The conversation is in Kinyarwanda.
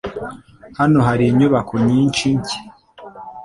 Hano hari inyubako nyinshi nshya .